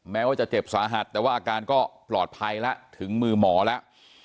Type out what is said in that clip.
แม้ว่าจะเจ็บสาหัสแต่ว่าอาการก็ปลอดภัยแล้วถึงมือหมอแล้ว